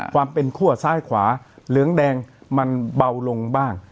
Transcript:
ความเป็นคั่วซ้ายขวาเหลืองแดงมันเบาลงบ้าง